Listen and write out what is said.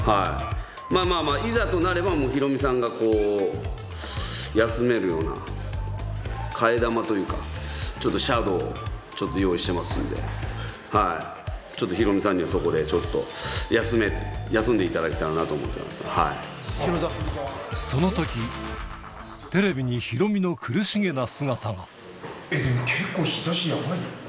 まあまあまあ、いざとなればヒロミさんが休めるような、替え玉というか、ちょっとシャドーを用意してますんで、ちょっとヒロミさんにはそこでちょっと休んで頂いたらなと思ってそのとき、えっ、結構日ざしやばい。